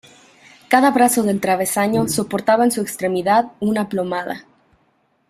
Cada brazo del travesaño soportaba en su extremidad una plomada.